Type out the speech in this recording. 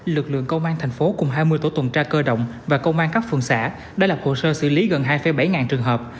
lực lượng công an thành phố cùng hai mươi tổ tuần tra cơ động và công an các phường xã đã lập hồ sơ xử lý gần hai bảy ngàn trường hợp